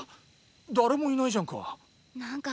誰もいないじゃんか。